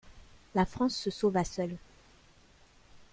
La France se sauva seule.